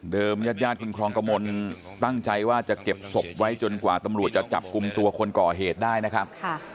ญาติญาติคุณครองกระมนตั้งใจว่าจะเก็บศพไว้จนกว่าตำรวจจะจับกลุ่มตัวคนก่อเหตุได้นะครับ